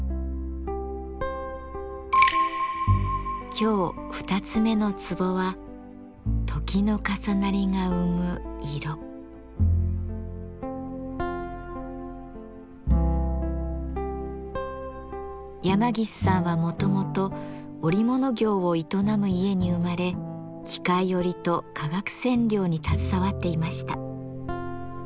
今日二つ目のツボは山岸さんはもともと織物業を営む家に生まれ機械織と化学染料に携わっていました。